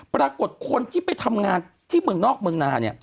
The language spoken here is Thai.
ปรากฏคนที่ไปทำงานที่เมืองนอกเมืองนาเนี่ย